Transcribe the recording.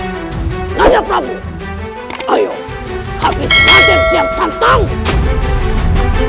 nanda prabu ayo habis rajin kian santang